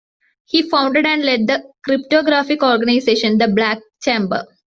He founded and led the cryptographic organization the Black Chamber.